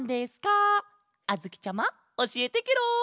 あづきちゃまおしえてケロ！